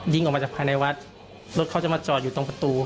ออกมาจากภายในวัดรถเขาจะมาจอดอยู่ตรงประตู